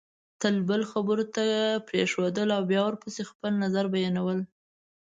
تل بل خبرو ته پرېښودل او بیا ورپسې خپل نظر بیانول